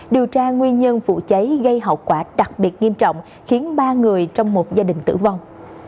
điều tra nguyên nhân vụ cháy gây hậu quả đặc biệt nghiêm trọng khiến ba người trong một gia đình tử vong